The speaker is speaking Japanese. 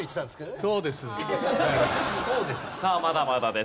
さあまだまだです。